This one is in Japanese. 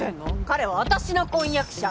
彼は私の婚約者！